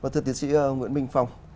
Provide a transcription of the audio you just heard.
thưa tiến sĩ nguyễn minh phong